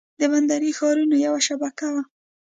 د بندري ښارونو یوه شبکه وه